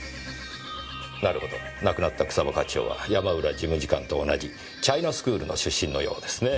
なるほど亡くなった草葉課長は山浦事務次官と同じチャイナスクールの出身のようですねぇ。